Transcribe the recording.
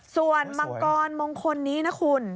ส่วนมังกรมงคลนี้นะคุณ